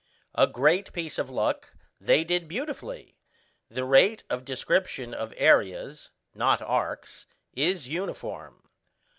A great piece of luck, they did beautifully: the rate of description of areas (not arcs) is uniform.